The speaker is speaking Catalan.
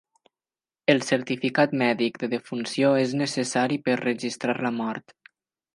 El certificat mèdic de defunció és necessari per registrar la mort.